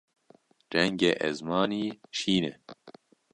Rengê ezmanî şîn e.